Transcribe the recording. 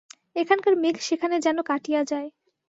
এখানকার মেঘ সেখানে যেন কাটিয়া যায়।